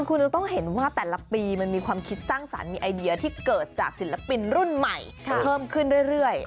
คุณจะต้องเห็นว่าแต่ละปีมันมีความคิดสร้างสรรค์มีไอเดียที่เกิดจากศิลปินรุ่นใหม่เพิ่มขึ้นเรื่อย